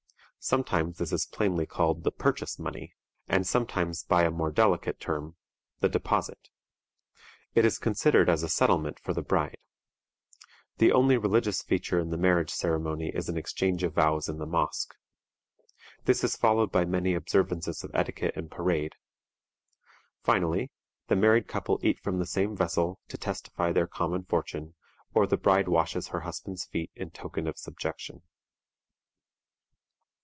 Sometimes this is plainly called the "purchase money," and sometimes by a more delicate term, the "deposit." It is considered as a settlement for the bride. The only religious feature in the marriage ceremony is an exchange of vows in the mosque. This is followed by many observances of etiquette and parade. Finally, the married couple eat from the same vessel, to testify their common fortune, or the bride washes her husband's feet in token of subjection.